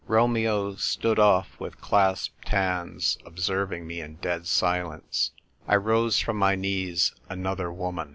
Romeo stood off with clasped hands, ob serving me in dead silence. I rose from my knees another woman.